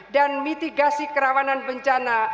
dan mitigasi kerawanan bencana